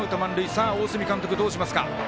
さあ、大角監督どうしますか。